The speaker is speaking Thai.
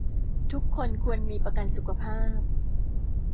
ทุกคนควรมีประกันสุขภาพ